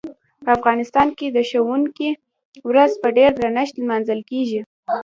په افغانستان کې د ښوونکي ورځ په ډیر درنښت لمانځل کیږي.